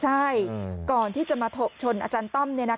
ใช่ก่อนที่จะมาชนอาจารย์ต้อม